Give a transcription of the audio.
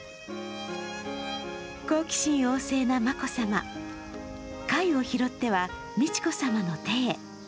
好奇心旺盛な眞子さま、貝を拾っては美智子さまの手へ。